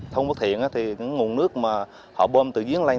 thôn phước thiện thì những nguồn nước mà họ bôm từ duyên lanh